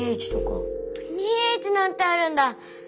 ２Ｈなんてあるんだ！